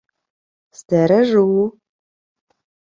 — Стережу.